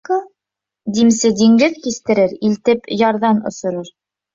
Димсе диңгеҙ кистерер, илтеп ярҙан осорор.